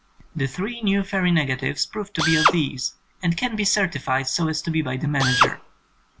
The three new fairy negatives proved to be of these and can be certified so to be by the manager.